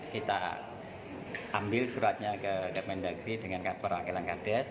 kita ambil suratnya ke kementerian negeri dengan kepala agung